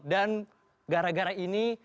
dan gara gara ini